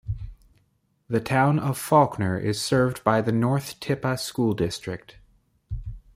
The Town of Falkner is served by the North Tippah School District.